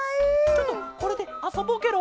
ちょっとこれであそぼうケロ。